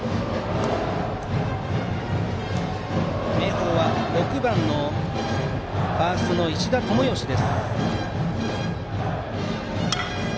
明豊は６番のファーストの石田智能からです。